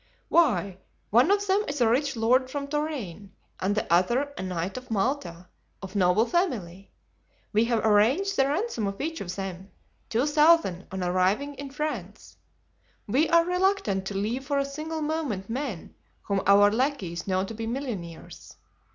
"Why, one of them is a rich lord from Touraine and the other a knight of Malta, of noble family. We have arranged the ransom of each of them—2,000 on arriving in France. We are reluctant to leave for a single moment men whom our lackeys know to be millionaires.